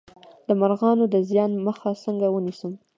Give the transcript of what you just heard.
د مرغانو د زیان مخه څنګه ونیسم؟